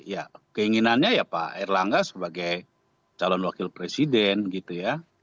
ya keinginannya ya pak erlangga sebagai calon wakil presiden gitu ya